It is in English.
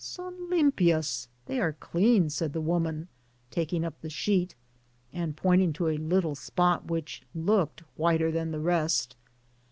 *« Son limpias," (they are clean,) said the woman, taking up the sheet, and pointing to a little spot which looked whiter than the rest.